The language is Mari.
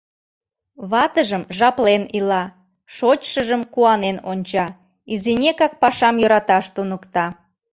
Ватыжым жаплен ила, шочшыжым куанен онча, изинекак пашам йӧраташ туныкта.